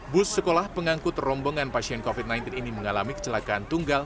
bus sekolah pengangkut rombongan pasien covid sembilan belas ini mengalami kecelakaan tunggal